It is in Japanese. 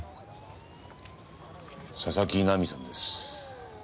佐々木奈美さんです。